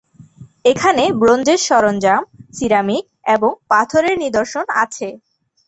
এখানে ব্রোঞ্জের সরঞ্জাম, সিরামিক এবং পাথরের নিদর্শন আছে।